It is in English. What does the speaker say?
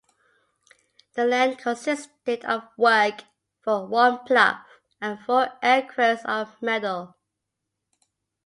The land consisted of work for one plough and four acres of meadow.